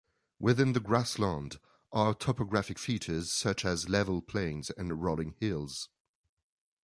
Within the grassland are topographic features such as level plains and rolling hills.